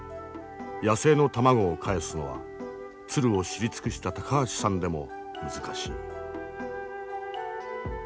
野生の卵をかえすのは鶴を知り尽くした高橋さんでも難しい。